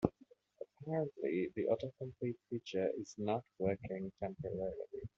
Apparently, the autocomplete feature is not working temporarily.